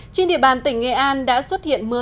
trên địa bàn tỉnh nghệ an đã xuất hiện mưa lớn